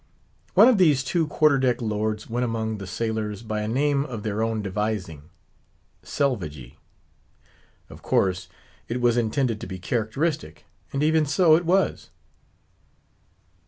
One of these two quarter deck lords went among the sailors by a name of their own devising—Selvagee. Of course, it was intended to be characteristic; and even so it was.